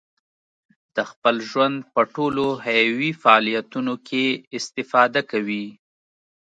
د خپل ژوند په ټولو حیوي فعالیتونو کې استفاده کوي.